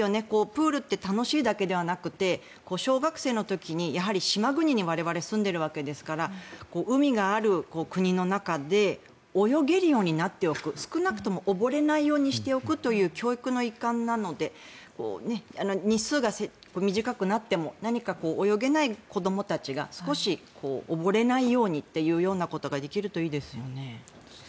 プールって楽しいだけではなくて小学生の時に、我々島国に住んでるわけですから海がある国の中で泳げるようになっておく少なくとも溺れないようにしておくという教育の一環なので日数が短くなっても何か泳げない子どもたちが少し溺れないようにということができるといいですね。